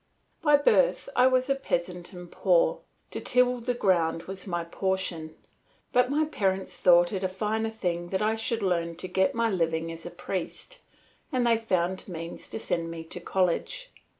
By birth I was a peasant and poor; to till the ground was my portion; but my parents thought it a finer thing that I should learn to get my living as a priest and they found means to send me to college.